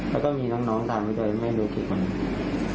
เราก็มีน้องทางนะถ้อยไม่รู้ขิดมั้ง